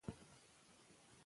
که حرارت وي نو اوبه نه یخیږي.